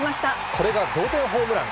これが同点ホームラン。